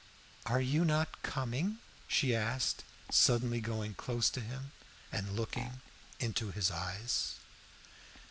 "Are you not coming?" she asked, suddenly going close to him and looking into his eyes.